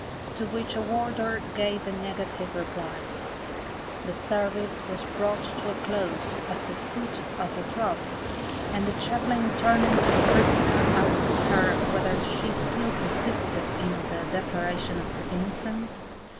to which a warder gave a negative reply. The service was brought to a close at the foot of a drop, and the chaplain turning to the prisoner, asked her whether she still persisted in the declaration of her innocence?